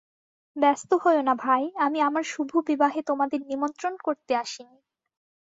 ব্যস্ত হোয়ো না ভাই, আমি আমার শুভবিবাহে তোমাদের নিমন্ত্রণ করতে আসি নি।